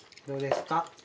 どうですか？